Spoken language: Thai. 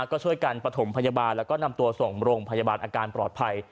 ก็ช่วยกันประถมพยาบาลแล้วก็นำตัวส่งโรงพยาบาลอาการปลอดภัย